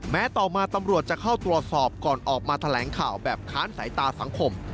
แม้ต่อมาตำรวจจะเข้าตรวจสอบก่อนออกมาแถลงข่าวแบบค้านสายตาสังคม